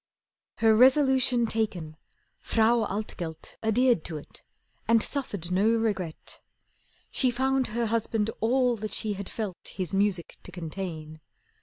Her resolution taken, Frau Altgelt Adhered to it, and suffered no regret. She found her husband all that she had felt His music to contain.